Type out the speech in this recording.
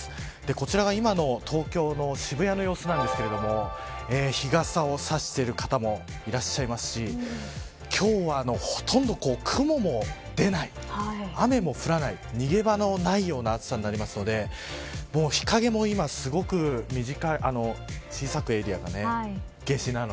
こちらが今の東京の渋谷の様子ですが日傘を差している方もいらっしゃいますし今日はほとんど雲も出ない、雨も降らない逃げ場のないような暑さになりますので日陰も今すごくエリアが小さく。